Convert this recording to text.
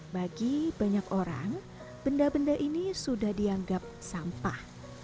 bagi banyak orang benda benda ini sudah dianggap sampah